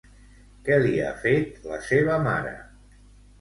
Què li ha fet la seva mare?